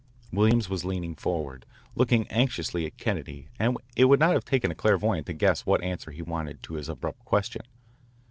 Williams was leaning forward, looking anxiously at Kennedy and it would not have taken a clairvoyant to guess what answer he wanted to his abrupt question.